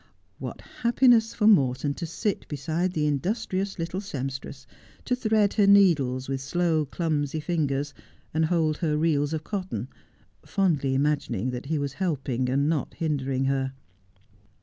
What happiness for Morton to sit beside the industrious little sempstress, to thread her needles with slow, clumsy fingers, and hold her reels of cotton, fondly imagining he was helping and not hindering her